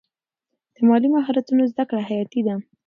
د مالي مهارتونو زده کړه حیاتي ده.